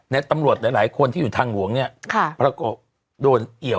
เนี่ยตำรวจหลายคนที่อยู่ทางหลวงเนี่ย